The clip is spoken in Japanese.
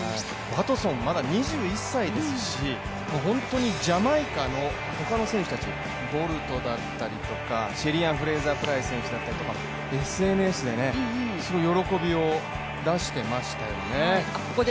ワトソンまだ２１歳ですし本当にジャマイカの他の選手たち、ボルトだったりとかシェリーアン・フレイザープライスだったりとかＳＮＳですごい喜びを出していましたよね。